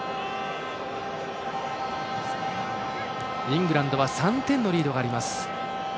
イングランドは３点のリードがあります。